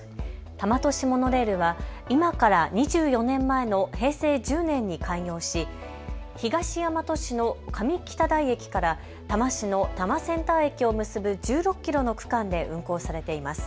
多摩都市モノレールは今から２４年前の平成１０年に開業し、東大和市の上北台駅から多摩市の多摩センター駅を結ぶ１６キロの区間で運行されています。